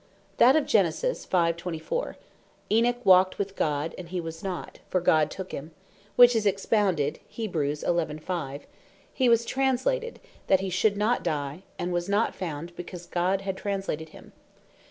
That of Gen. 5.24. "Enoch walked with God, and he was not; for God took him;" which is expounded Heb. 13.5. "He was translated, that he should not die; and was not found, because God had translated him.